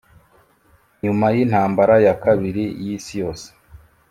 Nyuma y intambara ya kabiri y isi yose